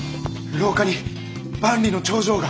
廊下に万里の長城が。